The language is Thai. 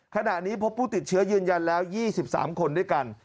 ขณะนี้พบผู้ติดเชื้อยืนยันแล้ว๒๓คนด้วยกัน